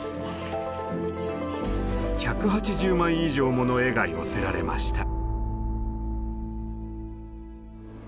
１８０枚以上もの絵が寄せられました。